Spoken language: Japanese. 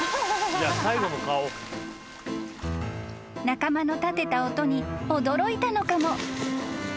［仲間の立てた音に驚いたのかも］